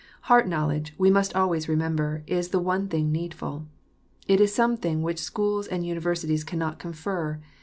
Heart knowledge, we must always remember, is the one thing needful. It is something which schools and univer sities cannot confer.